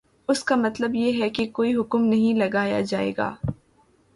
اس کا مطلب یہ ہے کہ کوئی حکم نہیں لگایا جائے گا